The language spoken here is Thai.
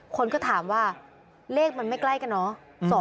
คนก็ถามว่าเลขมันไม่ใกล้กันเนอะ